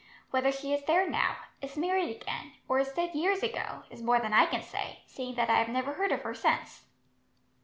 Whether she is there now, is married again, or is dead years ago, is more than I can say, seeing that I have never heard of her since."